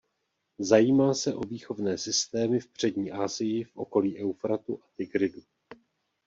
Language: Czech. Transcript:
Zajímá se o výchovné systémy v přední Asii v okolí Eufratu a Tigridu.